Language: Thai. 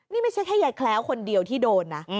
นี่ไม่ใช่แค่ยายแคล้วคนเดียวที่โดนนะ